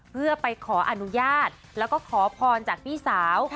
เพื่อไปขออนุญาตแล้วก็ขอพรจากพี่สาว